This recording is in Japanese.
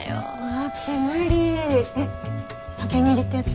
待って無理えっ派遣切りってやつ？